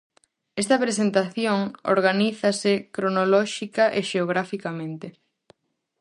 Esta presentación organízase cronolóxica e xeograficamente.